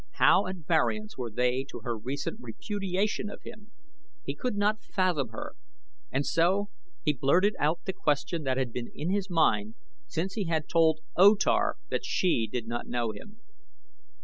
How at variance were they to her recent repudiation of him! He could not fathom her, and so he blurted out the question that had been in his mind since she had told O Tar that she did not know him.